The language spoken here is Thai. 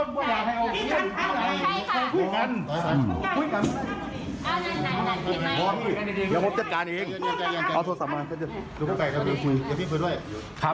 พ่อแม่ผู้ผมกำลังแล้วผู้ผมดูดีครับ